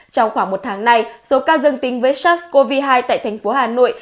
trong khoảng một tháng này số ca dân tính với sars cov hai tại thành phố hà nội